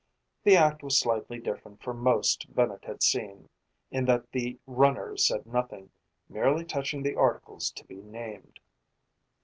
The act was slightly different from most Bennett had seen in that the runner said nothing, merely touching the articles to be named.